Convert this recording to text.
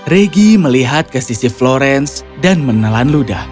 reggie melihat ke sisi florence dan menelan luda